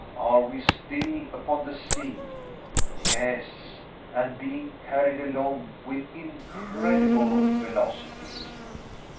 Are we still upon the sea? Yes, and being carried along with incredible velocity.